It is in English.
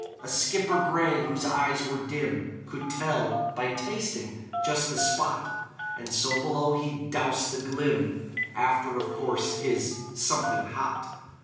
A skipper gray, whose eyes were dim, Could tell, by tasting, just the spot, And so below he'd "dowse the glim" After, of course, his "something hot."